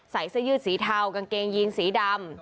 ใส่เสื้อยืดสีเทากางเกงยีนสีดำ